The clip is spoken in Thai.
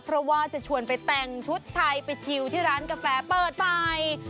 เพราะว่าจะชวนไปแต่งชุดไทยไปชิวที่ร้านกาแฟเปิดใหม่